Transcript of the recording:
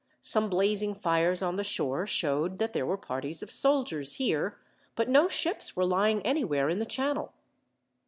Some blazing fires on the shore showed that there were parties of soldiers here, but no ships were lying anywhere in the channel.